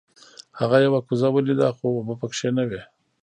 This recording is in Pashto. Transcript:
هغه یوه کوزه ولیده خو اوبه پکې نه وې.